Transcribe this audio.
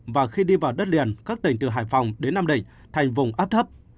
và khi đi vào đất liền các tỉnh từ hải phòng đến nam định thành vùng áp thấp